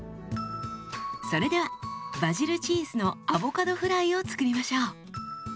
それではバジルチーズのアボカドフライを作りましょう。